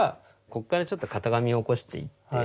ここからちょっと型紙を起こしていって。